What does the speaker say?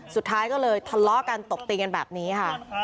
สุดท้ายก็เลยทะเลาะกันตบตีกันแบบนี้ค่ะ